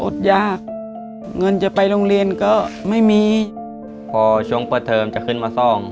ยากเงินจะไปโรงเรียนก็ไม่มีพอช่วงเปิดเทอมจะขึ้นมาซ่อม